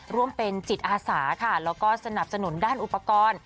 ร่วมเป็นจิตอาสาค่ะแล้วก็สนับสนุนด้านอุปกรณ์